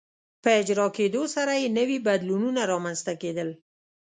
په اجرا کېدو سره یې نوي بدلونونه رامنځته کېدل.